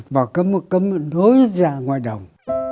vào cấm một cấm nó đối ra ngoài đồng